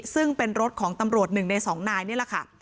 ซึ่งเป็นรถของตำรวจ๑ใน๒นายนี่แหละค่ะ